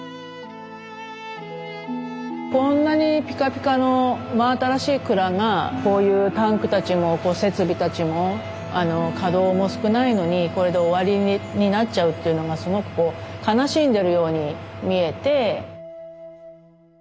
こんなにピカピカの真新しい蔵がこういうタンクたちも設備たちも稼働も少ないのにこれで終わりになっちゃうっていうのがすごく悲しんでるように見えて。